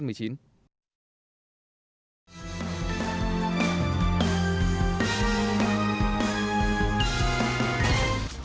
trong phần tin quốc tế